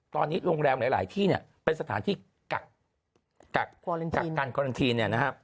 ตอนนี้โรงแรมหลายที่เป็นสถานที่กักกักกักกันการควอลันทีนนะฮะ